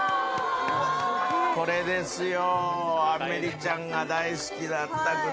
これですよ！